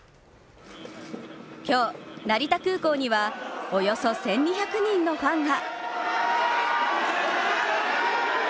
今日、成田空港にはおよそ１２００人のファンが。